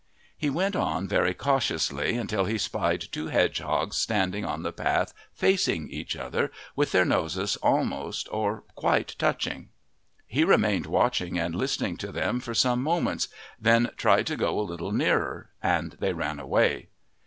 He went on very cautiously, until he spied two hedgehogs standing on the path facing each other, with their noses almost or quite touching. He remained watching and listening to them for some moments, then tried to go a little nearer and they ran away.